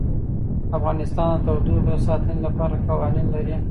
افغانستان د تودوخه د ساتنې لپاره قوانین لري.